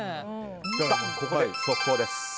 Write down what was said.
ここで速報です。